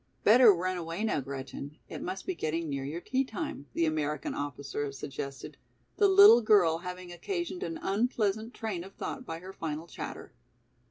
"Better run away now, Gretchen, it must be getting near your tea time," the American officer suggested, the little girl having occasioned an unpleasant train of thought by her final chatter.